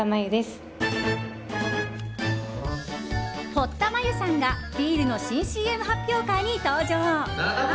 堀田真由さんがビールの新ＣＭ発表会に登場。